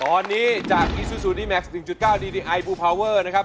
ตอนนี้จากซูซั่ลนิแมพส์หนึ่งจุดเก้าพูลความจริงนะครับ